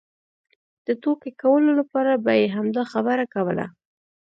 د ټوکې کولو لپاره به یې همدا خبره کوله.